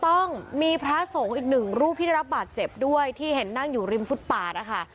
ต้องมีพระสงฆ์อีกหนึ่งรูปที่ได้รับบาดเจ็บด้วยที่เห็นนั่งอยู่ริมฟุตปาดนะคะ